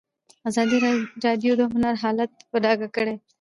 ازادي راډیو د هنر حالت په ډاګه کړی.